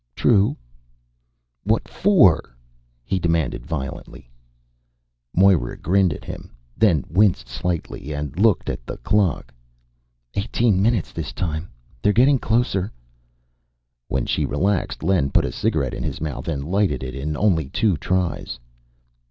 "True." "What for?" he demanded violently. Moira grinned at him, then winced slightly and looked at the clock. "Eighteen minutes this time. They're getting closer." When she relaxed, Len put a cigarette in his mouth and lighted it in only two tries.